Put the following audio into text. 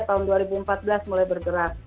tahun dua ribu empat belas mulai bergerak